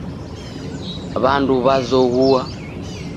W'andu w'azoghua.